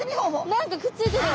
何かくっついてる。